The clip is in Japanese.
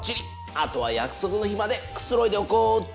あとは約束の日までくつろいでおこうっと。